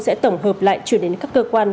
sẽ tổng hợp lại chuyển đến các cơ quan